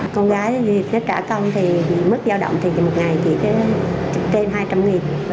con gái thì nó trả công thì mức giao động thì một ngày chỉ trên hai trăm linh nghìn